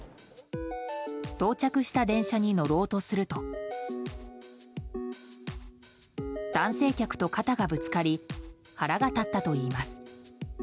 到着した電車に乗ろうとすると男性客と肩がぶつかり腹が立ったといいます。